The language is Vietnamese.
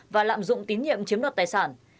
và lạm dụng tín nhiệm chiếm đoạt tài sản